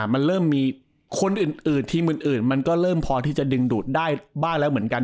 มันเริ่มมีคนอื่นทีมอื่นมันก็เริ่มพอที่จะดึงดูดได้บ้างแล้วเหมือนกัน